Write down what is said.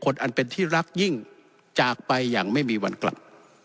อันเป็นที่รักยิ่งจากไปอย่างไม่มีวันกลับ